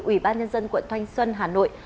ủy ban nhân dân quận thoanh xuân hà nội